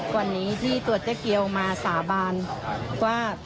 วันนี้ที่ตัวเจ๊เกียวมาสาบานว่า